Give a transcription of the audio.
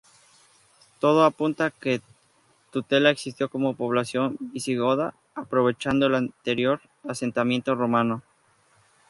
Todo apunta a que "Tutela" existió como población visigoda, aprovechando el anterior asentamiento romano.